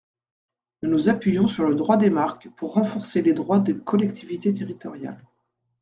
Nous nous appuyons sur le droit des marques pour renforcer les droits des collectivités territoriales.